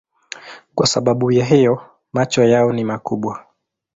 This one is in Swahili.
Kwa sababu ya hiyo macho yao ni makubwa.